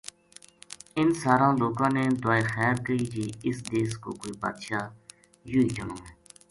انھ ساراں لوکاں نے دعائے خیر کئی جی اس دیس کو بادشاہ یوہی جنو ہے